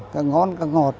càng ngon càng ngọt